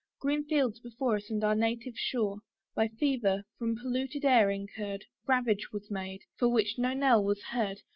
Green fields before us and our native shore, By fever, from polluted air incurred, Ravage was made, for which no knell was heard.